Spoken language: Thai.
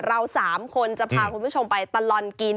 เรา๓คนจะพาคุณผู้ชมไปตลอดกิน